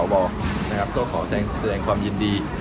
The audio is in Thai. ก็ขอแสดงที่จะแสดงความยินดี